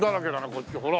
こっちほら。